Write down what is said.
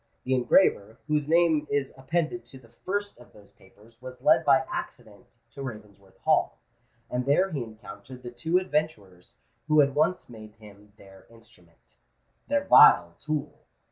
The engraver, whose name is appended to the first of those papers, was led by accident to Ravensworth Hall; and there he encountered the two adventurers who had once made him their instrument—their vile tool!